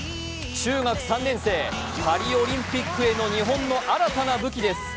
中学３年生パリオリンピックへの日本の新たな武器です